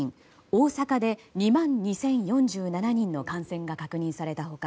大阪で２万２０４７人の感染が確認された他